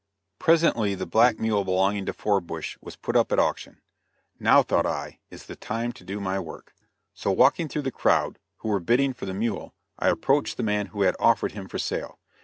Presently the black mule belonging to Forbush was put up at auction. Now, thought I, is the time to do my work. So, walking through the crowd, who were bidding for the mule, I approached the man who had offered him for sale.